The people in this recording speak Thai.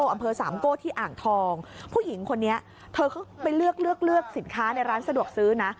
อำเภอสามโก้ที่อ่างทองผู้หญิงคนนี้เธอเข้าไปเลือกเลือกเลือกสินค้าในร้านสะดวกซื้อนะ